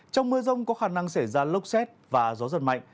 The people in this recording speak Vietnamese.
trong mưa rông có khả năng xảy ra lốc xét và gió giật mạnh